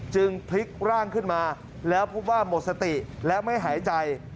พลิกร่างขึ้นมาแล้วพบว่าหมดสติและไม่หายใจ